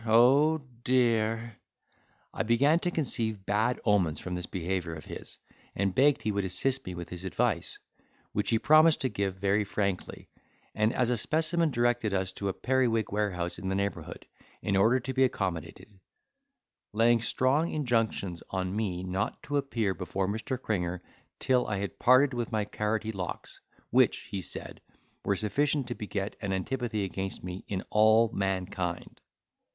Oh dear!" I began to conceive bad omens from this behaviour of his, and begged he would assist me with his advice, which he promised to give very frankly; and as a specimen, directed us to a periwig warehouse in the neighbourhood, in order to be accommodated; laying strong injunctions on me not to appear before Mr. Cringer till I had parted with my carroty locks, which, he said, were sufficient to beget an antipathy against me in all mankind.